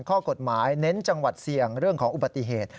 ข้อกฎหมายเน้นจังหวัดเสี่ยงเรื่องของอุบัติเหตุ